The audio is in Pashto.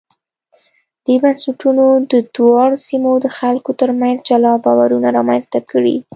دې بنسټونو د دواړو سیمو د خلکو ترمنځ جلا باورونه رامنځته کړي.